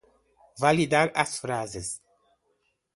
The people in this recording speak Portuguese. validar a frase